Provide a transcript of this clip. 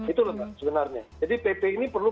itu lho mbak sebenarnya jadi pp ini perlu